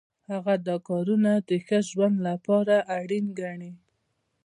هغه دا کارونه د ښه ژوند لپاره اړین ګڼي.